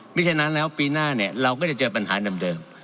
ฉะนั้นแล้วปีหน้าเนี่ยเราก็จะเจอปัญหาเดิม